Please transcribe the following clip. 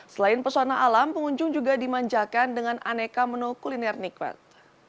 selain pesona alam pengunjung juga dimanjakan dengan aneka menu kuliner nikmat